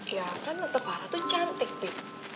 ya kan tante farah tuh cantik pi